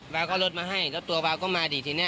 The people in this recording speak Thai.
วาวก็เอารถมาให้แล้วตัววาวก็มาดิทีนี้